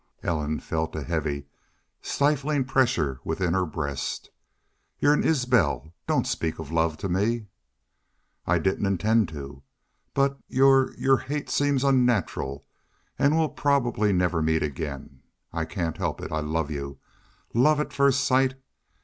Ellen felt a heavy, stifling pressure within her breast. "Y'u're an Isbel.... Doon't speak of love to me." "I didn't intend to. But your your hate seems unnatural. And we'll probably never meet again.... I can't help it. I love you. Love at first sight!